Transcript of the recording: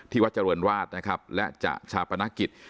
ที่วัชเจริญราชนะครับและจากชาวประนักกิจ